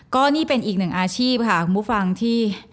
ก็นี่เป็นอีกหนึ่งอาชีพค่ะคุณผู้ฟังที่